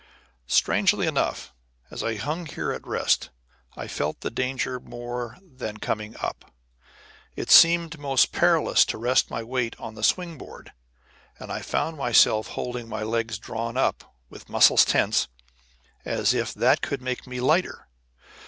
Strangely enough, as I hung here at rest I felt the danger more than coming up. It seemed most perilous to rest my weight on the swing board, and I found myself holding my legs drawn up, with muscles tense, as if that could make me lighter.